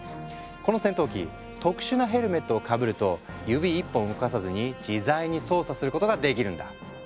この戦闘機特殊なヘルメットをかぶると指一本動かさずに自在に操作することができるんだ。